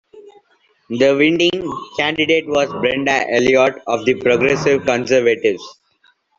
The winning candidate was Brenda Elliott of the Progressive Conservatives.